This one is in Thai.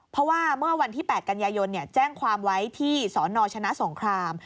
เพราะว่าเมื่อวันที่๘กันยายนแจ้งความไว้ที่สนชนะสงคราม